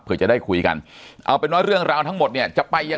เพื่อจะได้คุยกันเอาเป็นว่าเรื่องราวทั้งหมดเนี่ยจะไปยัง